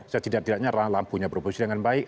setidak tidaknya lampunya berfungsi dengan baik